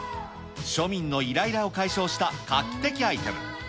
庶民のいらいらを解消した画期的アイテム。